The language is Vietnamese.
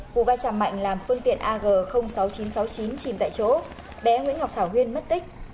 vụ va chạm mạnh làm phương tiện ag sáu nghìn chín trăm sáu mươi chín chìm tại chỗ bé nguyễn ngọc thảo huyên mất tích